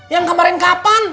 yang kemarin kapan